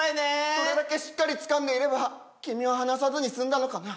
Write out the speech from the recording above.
どれだけしっかりつかんでいれば君を離さずに済んだのかな